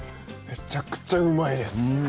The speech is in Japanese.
めちゃくちゃうまいです。